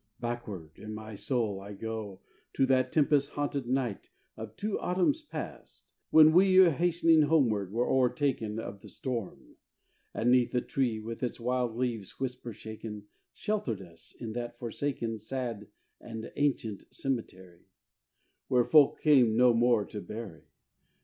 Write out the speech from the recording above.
Backward in my soul I go To that tempest haunted night Of two autumns past, when we, Hastening homeward, were o'ertaken Of the storm; and 'neath a tree, With its wild leaves whisper shaken, Sheltered us in that forsaken, Sad and ancient cemetery, Where folk came no more to bury.